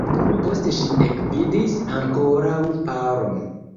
Poste ŝi ekvidis ankoraŭ paron.